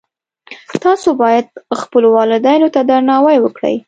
تاسو باید خپلو والدینو ته درناوی وکړئ